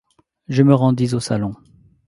Je me rendis au salon.